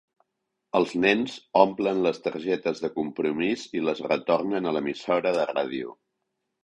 Els nens omplen les targetes de compromís i les retornen a l'emissora de ràdio.